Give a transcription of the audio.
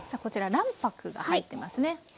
こちら卵白が入ってますね。